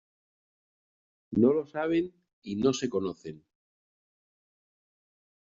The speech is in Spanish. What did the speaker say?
No lo saben y no se conocen.